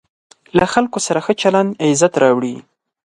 له خلکو سره ښه چلند عزت راوړي.